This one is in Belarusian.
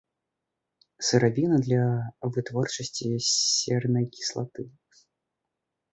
Сыравіна для вытворчасці сернай кіслаты.